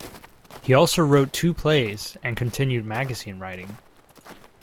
He also wrote two plays, and continued magazine writing.